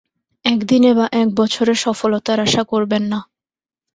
একদিনে বা এক বছরে সফলতার আশা করবেন না।